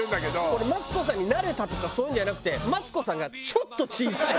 俺マツコさんに慣れたとかそういうのじゃなくてマツコさんがちょっと小さい。